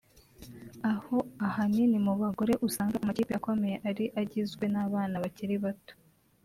aho ahanini mu bagore usanga amakipe akomeye ari agizwe n’abana bakiri bato